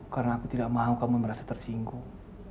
karena aku tidak mau kamu merasa tersinggung